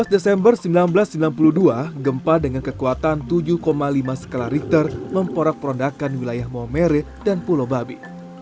dua belas desember seribu sembilan ratus sembilan puluh dua gempa dengan kekuatan tujuh lima skala richter memporak pondakan wilayah maumere dan pulau babi